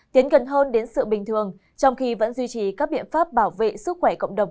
tiến gần hơn đến sự bình thường trong khi vẫn duy trì các biện pháp bảo vệ sức khỏe cộng đồng